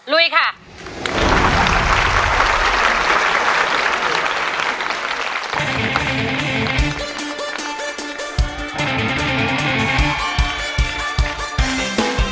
ลุยค่ะ